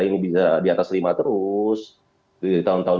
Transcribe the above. ini bisa di atas lima terus di tahun tahun